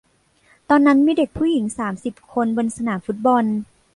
ตอนนั้นมีเด็กผู้หญิงสามสิบคนบนสนามฟุตบอล